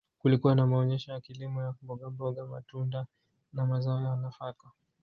kulikuwa na maonesho ya kilimo cha mbogamboga matunda na mazao ya nafaka